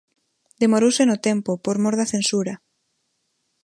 Demorouse no tempo por mor da censura.